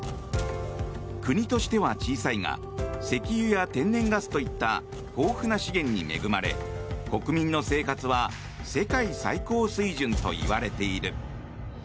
国としては小さいが石油や天然ガスといった豊富な資源に恵まれ国民の生活は世界最高水準といわれている。